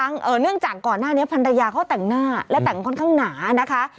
เนื่องจากก่อนหน้านี้พันรยาเขาแต่งหน้าและแต่งค่อนข้างหนานะคะ